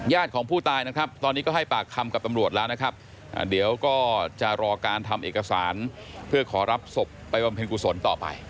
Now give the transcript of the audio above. ของผู้ตายนะครับตอนนี้ก็ให้ปากคำกับตำรวจแล้วนะครับเดี๋ยวก็จะรอการทำเอกสารเพื่อขอรับศพไปบำเพ็ญกุศลต่อไป